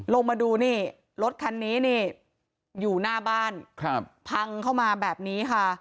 ลงมาดูนี่รถคันนี้นี่อยู่หน้าบ้านครับพังเข้ามาแบบนี้ค่ะ